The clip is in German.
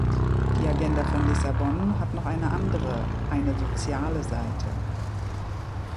Die Agenda von Lissabon hat noch eine andere, eine soziale Seite.